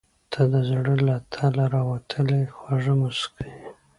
• ته د زړه له تله راوتلې خوږه موسیقي یې.